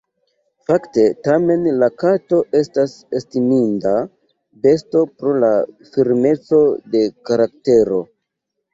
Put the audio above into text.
Fakte tamen la kato estas estiminda besto pro la firmeco de karaktero.